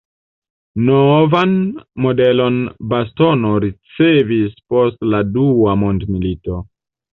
Novan modelon bastono ricevis post la dua mondmilito.